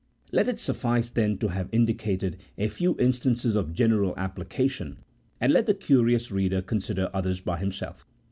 Let it suffice, then, to have indicated a few instances of general application, and let the curious reader consider others by himself.